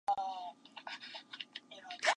インフィールドフライを落として油断しないで下さい。